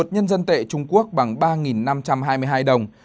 một nhân dân tệ trung quốc bằng hai mươi đồng